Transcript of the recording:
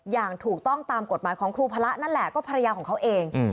อย่างถูกต้องตามกฎหมายของครูพระนั่นแหละก็ภรรยาของเขาเอง